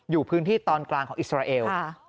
อยู่พื้นที่ตอนกลางของอิสราเอล